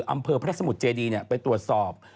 อำเภอพระสมุทรเจดีไปตรวจสอบ